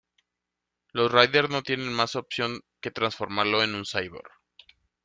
Los Riders no tienen más opción que transformarlo en un cyborg.